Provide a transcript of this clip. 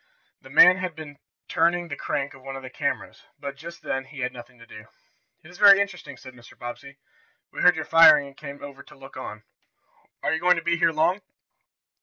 The man had been turning the crank of one of the cameras, but, just then, he had nothing to do. "It is very interesting," said Mr. Bobbsey. "We heard your firing and came over to look on. Are you going to be here long?"